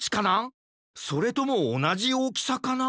それともおなじおおきさかな？